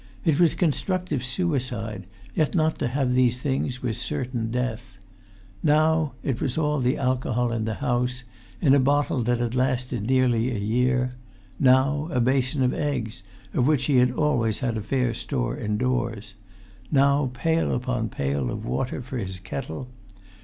It was constructive suicide, yet not to have these things was certain death. Now it was all the alcohol in the house, in a bottle that had lasted nearly a year; now a basin of eggs, of which he had always a fair store indoors; now pail upon pail of water for his kettle.